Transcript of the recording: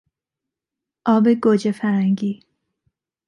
آب گوجهفرنگی